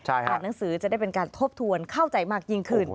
อ่านหนังสือจะได้เป็นการทบทวนเข้าใจมากยิ่งขึ้น